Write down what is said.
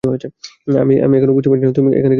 আমি এখনও বুঝতে পারছি না তুমি এখানে কিসের জন্য এসেছ।